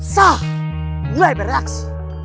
so mulai bereaksi